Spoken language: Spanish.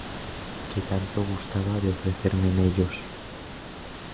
que tanto gustaba de ofrecerme en ellos.